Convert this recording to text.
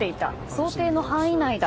想定の範囲内だ。